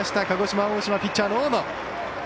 鹿児島、大島ピッチャーの大野。